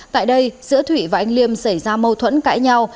tại đây giữa thụy và anh liêm xảy ra mâu thuẫn cãi nhau